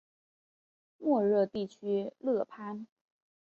莫热地区勒潘。